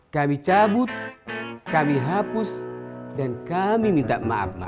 kami cabut kami hapus dan kami minta maaf